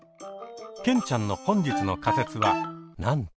ケンちゃんの本日の仮説はなんと。